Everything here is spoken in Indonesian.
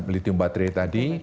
litium baterai tadi